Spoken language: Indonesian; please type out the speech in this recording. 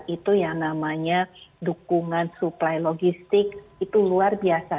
itu yang namanya dukungan suplai logistik itu luar biasa